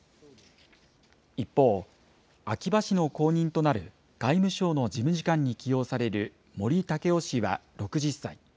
一方、秋葉氏の後任となる外務省の事務次官に起用される森健良氏は６０歳。